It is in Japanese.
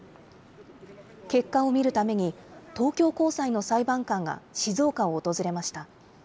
結果を見るために、東京高裁の裁判官が静岡を訪れました。